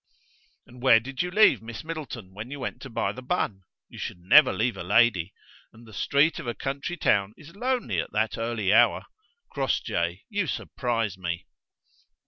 "And where did you leave Miss Middleton when you went to buy the bun? You should never leave a lady; and the street of a country town is lonely at that early hour. Crossjay, you surprise me."